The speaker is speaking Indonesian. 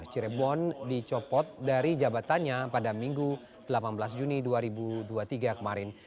cirebon dicopot dari jabatannya pada minggu delapan belas juni dua ribu dua puluh tiga kemarin